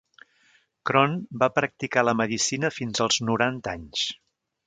Crohn va practicar la medicina fins als noranta anys.